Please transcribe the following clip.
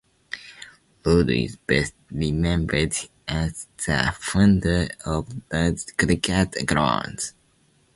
Lord is best remembered as the founder of Lord's Cricket Ground.